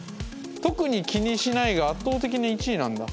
「特に気にしない」が圧倒的に１位なんだ。